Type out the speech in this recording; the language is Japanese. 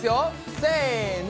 せの！